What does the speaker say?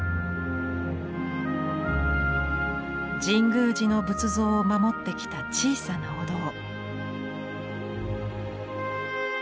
神宮寺の仏像を守ってきた小さなお堂。